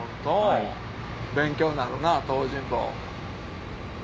勉強になるな東尋坊。